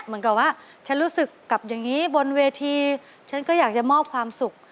เหมือนกับว่าฉันรู้สึกกับอย่างนี้บนเวทีฉันก็อยากจะมอบความสุข